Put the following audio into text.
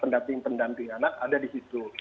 pendamping pendamping anak ada di situ